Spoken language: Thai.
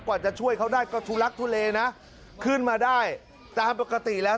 กว่าจะช่วยเขาได้ก็ทุลักทุเลนะขึ้นมาได้ตามปกติแล้ว